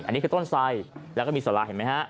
อันนี้คือต้นไสแล้วก็มีสาราเห็นไหมฮะ